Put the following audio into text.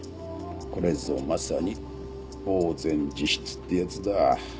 これぞまさにぼう然自失ってやつだ。